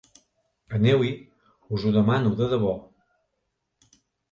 Aneu-hi, us ho demano de debò.